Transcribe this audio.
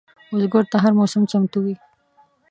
بزګر ته هره موسم چمتو وي